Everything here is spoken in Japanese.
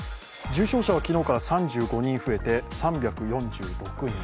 重症者は昨日から３５人増えて３４６人